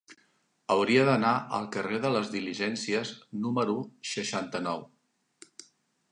Hauria d'anar al carrer de les Diligències número seixanta-nou.